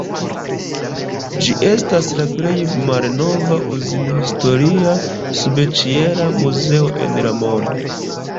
Ĝi estas la plej malnova uzin-historia subĉiela muzeo en la mondo.